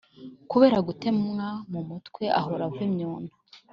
kubera gutemwa mu mutwe Ahora ava imyuna